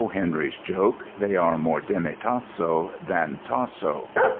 Henry's joke, they are more demitasso than Tasso.